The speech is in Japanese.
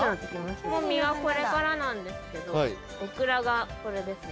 実はこれからなんですけどオクラがこれです。